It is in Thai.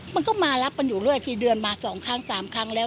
มันก็มารับกันอยู่เรื่อยทีเดือนมา๒ครั้ง๓ครั้งแล้ว